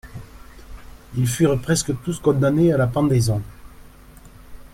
Ils furent presque tous condamnés à la pendaison.